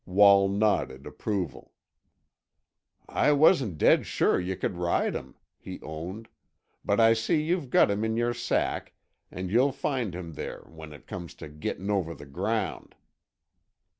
Wall nodded approval. "I wasn't dead sure yuh could ride him," he owned. "But I see you've got him in your sack, and you'll find him there when it comes to gettin' over the ground."